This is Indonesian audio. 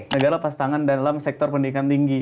negara lepas tangan dalam sektor pendidikan tinggi